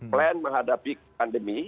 plan menghadapi pandemi